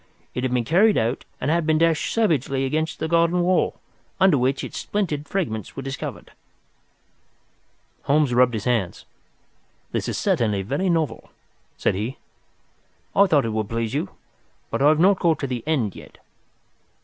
It had been carried out and had been dashed savagely against the garden wall, under which its splintered fragments were discovered." Holmes rubbed his hands. "This is certainly very novel," said he. "I thought it would please you. But I have not got to the end yet. Dr.